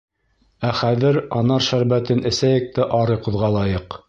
Ә хәҙер анар шәрбәтен эсәйек тә ары ҡуҙғалайыҡ.